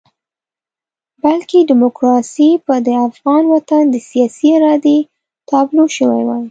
بلکې ډیموکراسي به د افغان وطن د سیاسي ارادې تابلو شوې وای.